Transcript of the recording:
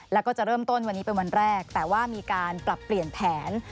แล้วก็จะเริ่มต้นวันนี้เป็นวันแรกแต่ว่ามีการปรับเปลี่ยนแผน